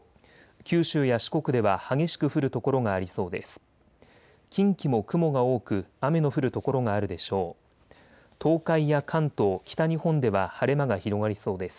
九州や四国では激しく降る所がありそうです。